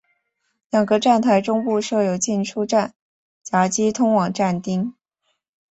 两个站台中部设有进出站闸机通往站厅。